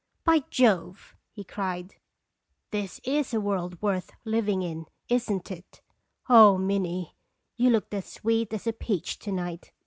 "By Jove!" he cried, " this is a world worth living in, isn't it? Oh, Minnie! you looked as sweet as a peach to night.